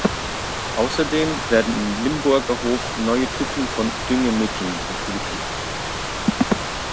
Außerdem werden in Limburgerhof neue Typen von Düngemitteln entwickelt.